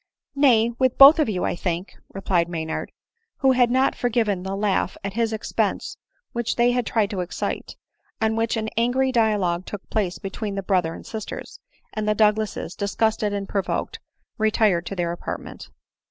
277 " Nay, with both of you, I think," replied Maynard, who had not forgiven the laugh at his expense which they had tried to excite ; on which an angry dialogue took place between the brother and sisters ; and the Douglases, disgusted and provoked, retired to their apart ment.